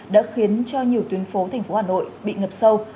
đã khiến cho nhiều tuyến phố thành phố hà nội bị ngập sâu